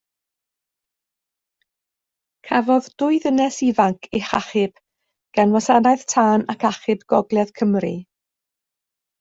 Cafodd dwy ddynes ifanc eu hachub gan Wasanaeth Tân ac Achub Gogledd Cymru.